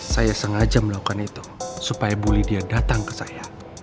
saya sengaja melakukan itu supaya bully dia datang ke saya